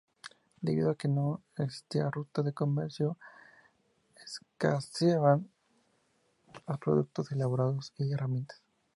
Debido a que no existía ruta de comercio, escaseaban los productos elaborados y herramientas.